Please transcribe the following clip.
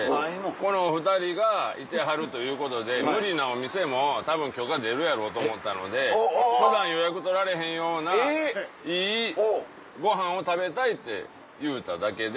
このお２人がいてはるということで無理なお店もたぶん許可出るやろうと思ったので普段予約取られへんようないいご飯を食べたいって言うただけで。